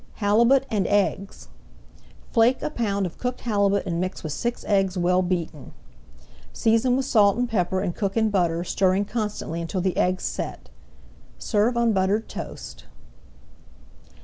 HALIBUT AND EGGS Flake a pound of cooked halibut and mix with six eggs well beaten. [Page 190] Season with salt and pepper and cook in butter, stirring constantly until the eggs set. Serve on buttered toast.